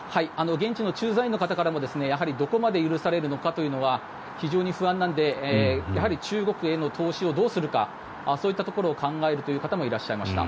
現地の駐在員の方からもどこまで許されるのかというのが非常に不安なので中国への投資をどうするかそういったところを考えるという方もいらっしゃいました。